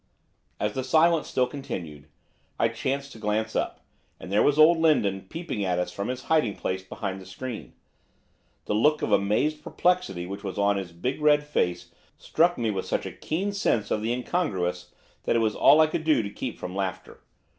As the silence still continued, I chanced to glance up, and there was old Lindon peeping at us from his hiding place behind the screen. The look of amazed perplexity which was on his big red face struck me with such a keen sense of the incongruous that it was all I could do to keep from laughter.